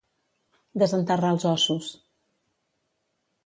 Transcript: Desenterrar els ossos.